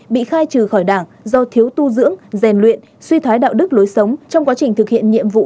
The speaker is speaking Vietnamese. bị khai trừ khỏi đảng do thiếu tu dưỡng rèn luyện suy thoái đạo đức lối sống trong quá trình thực hiện nhiệm vụ